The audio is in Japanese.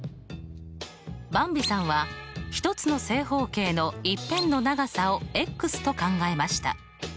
ばんびさんは１つの正方形の１辺の長さをと考えました。